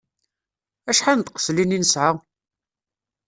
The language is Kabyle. Acḥal n tqeslin i nesɛa?